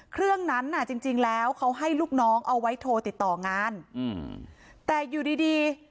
เครื่องนั้นน่ะจริงจริงแล้วเขาให้ลูกน้องเอาไว้โทรติดต่องานอืมแต่อยู่ดีดี